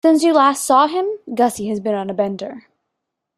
Since you last saw him, Gussie has been on a bender.